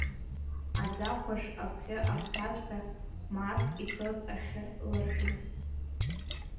Аӡахәаш абӷьы агәҭаҵәҟьа хә-мааҭк ицоз ахьы ыларшәын.